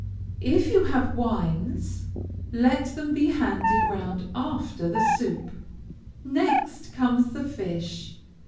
If you have wines, let them be handed round after the soup. Next comes the fish.